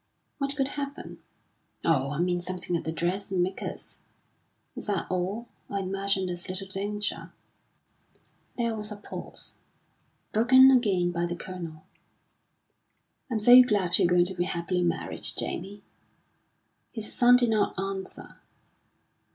"What could happen?" "Oh, I mean something at the dressmaker's!" "Is that all? I imagine there's little danger." There was a pause, broken again by the Colonel. "I'm so glad you're going to be happily married, Jamie." His son did not answer.